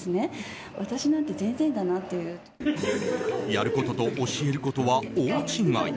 やることと教えることは大違い。